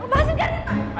mau bahasin karim pak